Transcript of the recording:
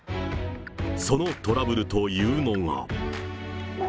そのトラブルというのが。